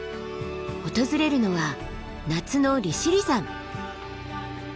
訪れるのは夏の利尻山。